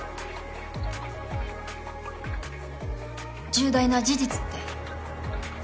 重大な事実って？